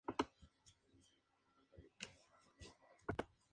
El traje no sufrió cambios desde "The Dark Knight".